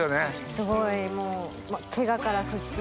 すごいもう。